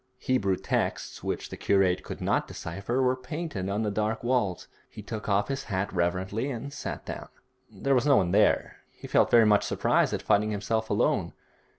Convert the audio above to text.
Hebrew texts which the curate could not decipher were painted on the dark walls. He took off his hat reverently and sat down. There was no one there. He felt very much surprised at finding himself alone.